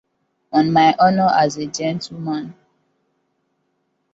On my honor as a gentleman.